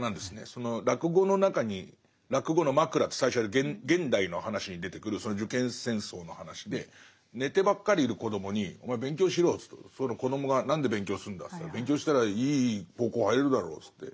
その落語の中に落語のマクラって最初現代の話に出てくる受験戦争の話で寝てばっかりいる子供に「お前勉強しろよ」と言うとその子供が「何で勉強するんだ」と言ったら「勉強したらいい高校入れるだろ」って。